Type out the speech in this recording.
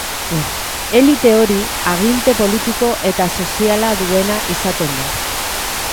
Elite hori aginte politiko eta soziala duena izaten da.